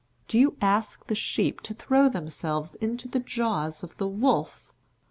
Do you ask the sheep to throw themselves into the jaws of the wolf?